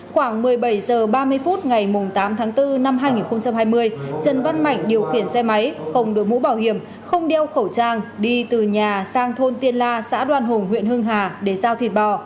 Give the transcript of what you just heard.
khoảng một mươi bảy h ba mươi phút ngày tám tháng bốn năm hai nghìn hai mươi trần văn mạnh điều khiển xe máy không đổi mũ bảo hiểm không đeo khẩu trang đi từ nhà sang thôn tiên la xã đoan hùng huyện hưng hà để giao thịt bò